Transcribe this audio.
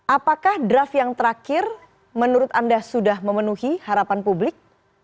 apakah draft yang terakhir menurut anda sudah memenuhi harapan publik